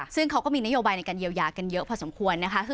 ซึ่งเขาก็มีนโยบายในการเยียวยากันเยอะพอสมควรนะคะ